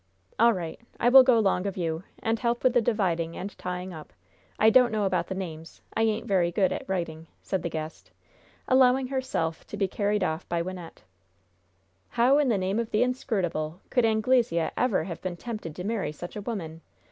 "All right; I will go 'long of you, and help with the dividing and tying up. I don't know about the names. I ain't very good at writing," said the guest, allowing herself to be carried off by Wynnette. "How in the name of the Inscrutable could Anglesea ever have been tempted to marry such a woman?